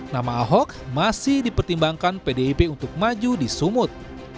nama ahok masih dipertimbangkan pdip untuk maju di sumut